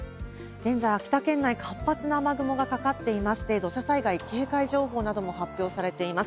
現在、秋田県内、活発な雨雲がかかっていまして、土砂災害警戒情報なども発表されています。